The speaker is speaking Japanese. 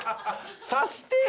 さしてよ！